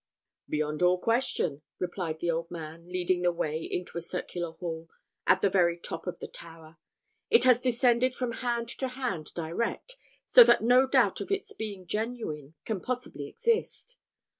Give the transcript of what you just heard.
"Beyond all question," replied the old man, leading the way into a circular hall, at the very top of the tower. "It has descended from hand to hand direct; so that no doubt of its being genuine can possibly exist.